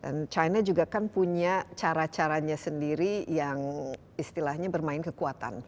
dan china juga kan punya cara caranya sendiri yang istilahnya bermain kekuatan